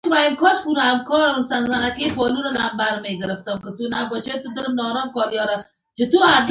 اوس هم دنګ او جګ غرونه د اتریشیانو په واک کې وو.